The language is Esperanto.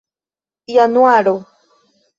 januaro